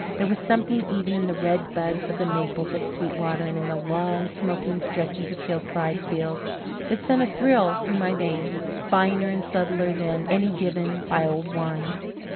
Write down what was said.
There was something even in the red buds of the maples at Sweetwater and in the long, smoking stretches of hillside fields that sent a thrill through my veins, finer and subtler than any given by old wine.